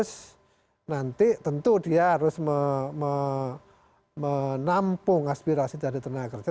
dan tenaga kerja ini juga harus nanti tentu dia harus menampung aspirasi dari tenaga kerja